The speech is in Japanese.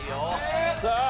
さあ。